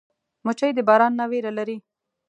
مچمچۍ د باران نه ویره لري